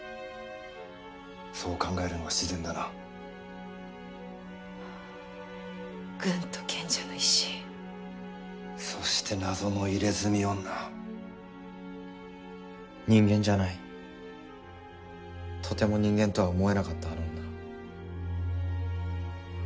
そう考えるのが自然だな軍と賢者の石そして謎の入れ墨女人間じゃないとても人間とは思えなかったあの女